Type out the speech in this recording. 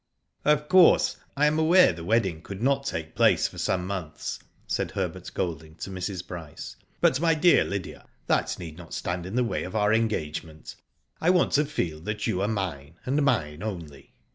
*'Of course, I am aware the wedding could not take place for some months,'* said Herbert Golding to Mrs. Bryce, *' but, my dear Lydia, that need not stand in the w^y of our engagement. I want to feel that you are mine, and mine only.